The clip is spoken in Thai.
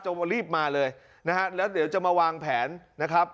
รีบมาเลยนะฮะแล้วเดี๋ยวจะมาวางแผนนะครับ